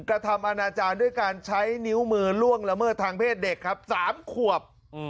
กระทำอาณาจารย์ด้วยการใช้นิ้วมือล่วงละเมิดทางเพศเด็กครับ๓ขวบ